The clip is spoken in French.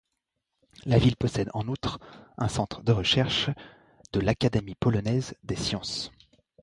La ville possède en outre un centre de recherche de l'Académie polonaise des sciences.